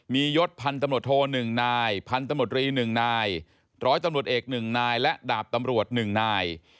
มียศพันธ์ตำรวจโท๑นายพันธมตรี๑นายร้อยตำรวจเอก๑นายและดาบตำรวจ๑นาย